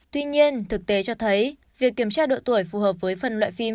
tuy nhiên thực tế cho thấy việc kiểm tra độ tuổi phù hợp với phần loại phim